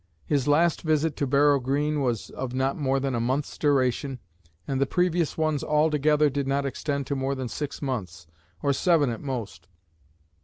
His last visit to Barrow Green was of not more than a month's duration, and the previous ones all together did not extend to more than six months, or seven at most.